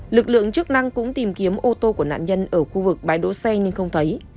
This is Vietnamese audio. lực lượng chức năng cũng tìm kiếm ô tô của nạn nhân ở khu vực bãi đỗ xe nhưng không thấy